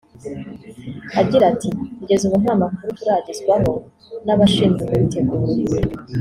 Agira ati “Kugeza ubu nta makuru turagezwaho n’abashinzwe kubitegura